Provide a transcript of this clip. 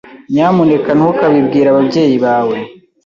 Nyamuneka ntukabibwire ababyeyi bawe.